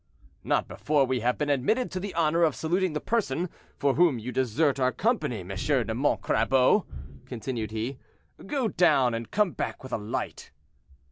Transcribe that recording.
"Not before we have been admitted to the honor of saluting the person for whom you desert our company. M. de Montcrabeau," continued he, "go down and come back with a light."